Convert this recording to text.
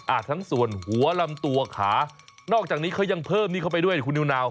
ทั้งส่วนหัวลำตัวขานอกจากนี้เขายังเพิ่มนี่เข้าไปด้วยคุณนิวนาว